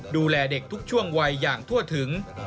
ดูแลเด็กทุกช่วงวัยอย่างทั่วถึง